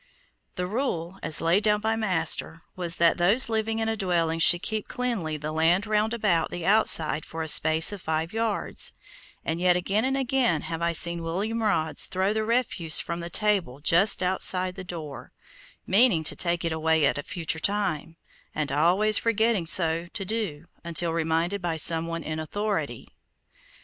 The rule, as laid down by my master, was that those living in a dwelling should keep cleanly the land roundabout the outside for a space of five yards, and yet again and again have I seen William Rods throw the refuse from the table just outside the door, meaning to take it away at a future time, and always forgetting so to do until reminded by some one in authority.